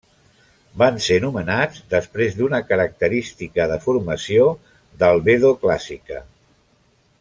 Van ser nomenats després d'una característica de formació d'albedo clàssica.